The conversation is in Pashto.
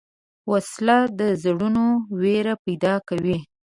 وسله د زړونو وېره پیدا کوي